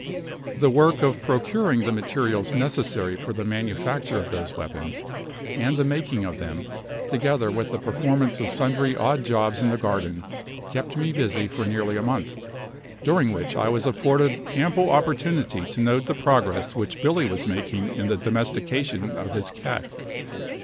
The work of procuring the materials necessary for the manufacture of those weapons, and the making of them, together with the performance of sundry odd jobs in the garden, kept me busy for nearly a month, during which I was afforded ample opportunity to note the progress which Billy was making in the domestication of his cat.